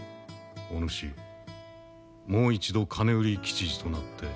お主もう一度金売り吉次となって都へ行け。